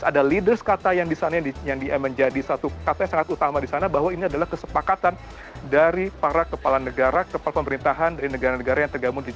ada leaders kata yang di sana yang menjadi satu kata yang sangat utama di sana bahwa ini adalah kesepakatan dari para kepala negara kepala pemerintahan dari negara negara yang tergabung